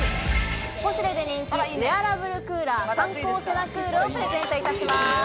ポシュレで人気「ウェアラブルクーラーサンコーセナクール」をプレゼントいたします。